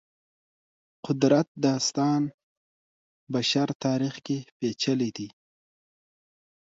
قدرت داستان بشر تاریخ کې پېچلي دی.